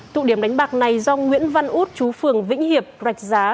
tụ điểm đánh bạc này do nguyễn văn út chú phường vĩnh hiệp rạch giá